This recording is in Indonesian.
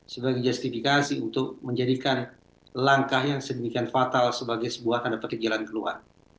sebagai justifikasi untuk menjadikan langkah yang sedemikian fatal sebagai sebuah tanda petik jalan keluar